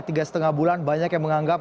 tiga setengah bulan banyak yang menganggap